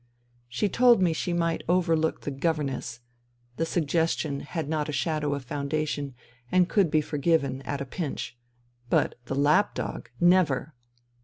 She told me she might overlook the " governess *': the suggestion had not a shadow of foundation and could be for given — at a pinch. But the " lapdog "— never